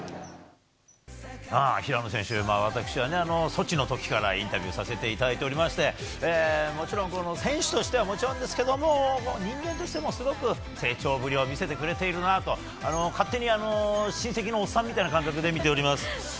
平野選手、私はね、ソチのときからインタビューさせていただいておりまして、もちろん、この選手としてはもちろんですけども、人間としても、すごく成長ぶりを見せてくれているなと、勝手に親戚のおっさんみたいな感覚で見ております。